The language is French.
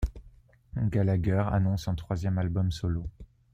Gallagher annonce un troisième album solo.